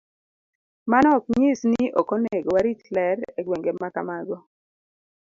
Mano ok nyis ni ok onego warit ler e gwenge ma kamago.